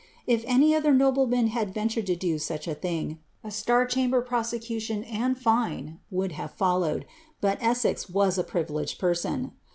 If any other nobleman had ventured to do snch a thing, a star chamber prosecution and fine would have fol lowed, but Essex was a privileged person.